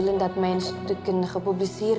saya ingin bahasa belanda dipublisir